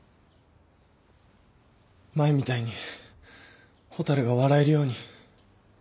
前みたいに蛍が笑えるように。